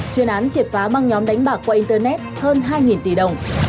chuyên án triệt phá băng nhóm đánh bạc qua internet hơn hai tỷ đồng